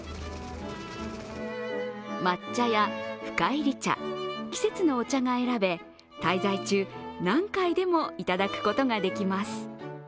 抹茶や深いり茶、季節のお茶が選べ滞在中、何回でもいただくことができます。